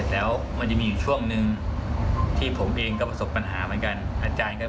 ลองไปดูนะฮะ